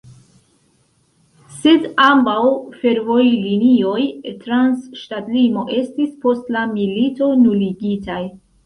Sed ambaŭ fervojlinioj trans ŝtatlimo estis post la milito nuligitaj.